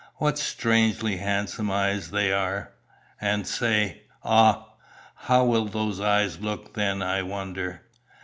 What strangely handsome eyes they are And say Ah! how will those eyes look then, I wonder?"